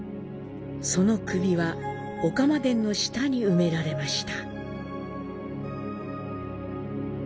その首は御竈殿の下に埋められました。